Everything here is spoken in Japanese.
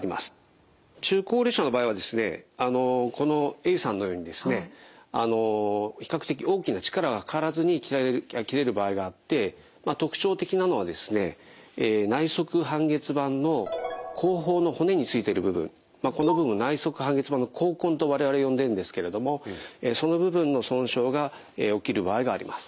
中高齢者の場合はこのＡさんのようにですね比較的大きな力がかからずに切れる場合があって特徴的なのはですね内側半月板の後方の骨についてる部分この部分内側半月板の後根と我々呼んでるんですけれどもその部分の損傷が起きる場合があります。